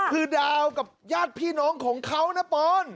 คือดาวกับญาติพี่น้องของเขานะปอน